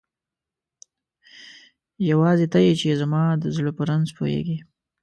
یواځی ته یی چی زما د زړه په رنځ پوهیږی